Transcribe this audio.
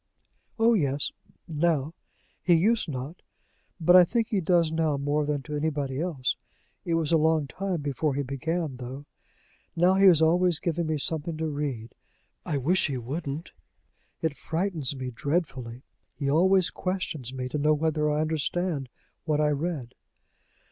"Oh, yes now. He used not; but I think he does now more than to anybody else. It was a long time before he began, though. Now he is always giving me something to read. I wish he wouldn't; it frightens me dreadfully. He always questions me, to know whether I understand what I read."